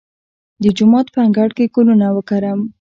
د جومات په انګړ کې ګلونه وکرم؟